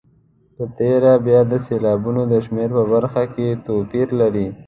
په تېره بیا د سېلابونو د شمېر په برخه کې توپیر لري.